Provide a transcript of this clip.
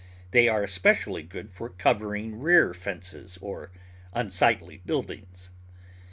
They are especially good for covering rear fences or unsightly outbuildings.